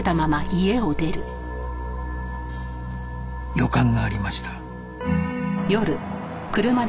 予感がありました